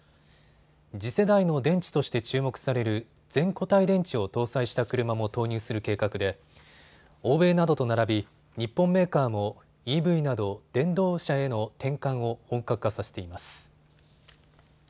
次世代の電池として注目される全固体電池を搭載した車も投入する計画で欧米などと並び日本メーカーもＥＶなど電動車への転換を本格化させています。